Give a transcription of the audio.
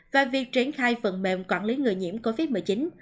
và việc triển khai phần mềm quản lý người nhiễm covid một mươi chín